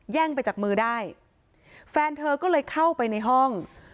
ไปจากมือได้แฟนเธอก็เลยเข้าไปในห้อง